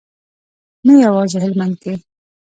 نه یوازې هلمند کې.